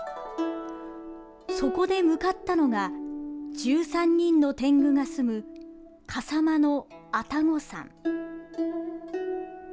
そこで向かったのが１３人のてんぐがすむ笠間の愛宕山。